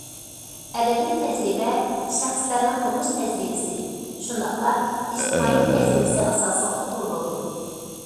ئەدەبىي تەجرىبە شەخسلەرنىڭ تۇرمۇش تەجرىبىسى، شۇنداقلا ئىجتىمائىي تەجرىبىسى ئاساسىغا قۇرۇلىدۇ.